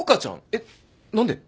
えっ何で？